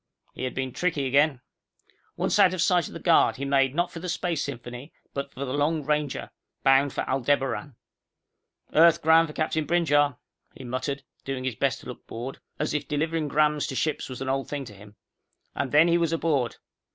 He had been tricky again. Once out of sight of the guard, he made not for the Space Symphony, but for the Long Ranger, bound for Aldebaran. "Earth 'gram for Captain Brinjar," he muttered, doing his best to look bored, as if delivering 'grams to ships was an old thing to him. And then he was aboard!